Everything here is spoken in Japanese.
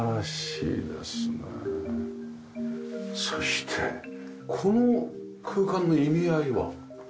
そしてこの空間の意味合いは？